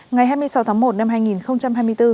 ngày hai mươi sáu tháng một năm hai nghìn hai mươi bốn